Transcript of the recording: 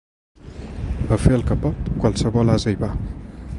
A fer el que pot, qualsevol ase hi va.